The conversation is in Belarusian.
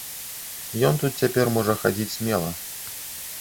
Ён тут цяпер можа хадзіць смела.